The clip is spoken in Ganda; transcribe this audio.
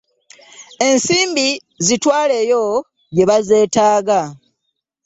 Ensimbi zitwaleyo gye bazeetaaga.